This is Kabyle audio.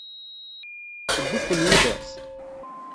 Tewwi-ken yid-s?